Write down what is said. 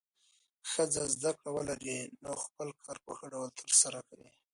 که ښځه زده کړه ولري، نو خپل کار په ښه ډول ترسره کوي.